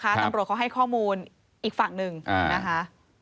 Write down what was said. ตำรวจเขาให้ข้อมูลอีกฝั่งหนึ่งนะคะ